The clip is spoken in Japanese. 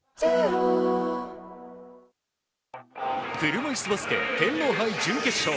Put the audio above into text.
車いすバスケ天皇杯準決勝。